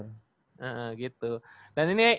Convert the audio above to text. nah gitu dan ini